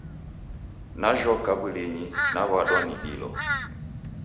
Najhoka w'ulinyi, naw'uadwa ni dilo